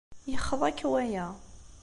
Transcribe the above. Yexḍa-k waya.